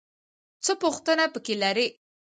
څه پوښتنه پکې لرې؟